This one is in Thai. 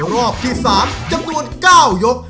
รอบที่๓จำนวน๙ยก